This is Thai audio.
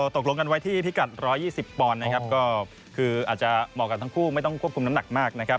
ตกลงกันไว้ที่พิกัด๑๒๐ปอนด์นะครับก็คืออาจจะเหมาะกับทั้งคู่ไม่ต้องควบคุมน้ำหนักมากนะครับ